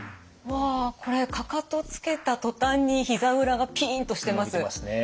わこれかかとつけた途端にひざ裏がピンとしてます。